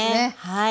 はい。